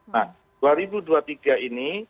nah dua ribu dua puluh tiga ini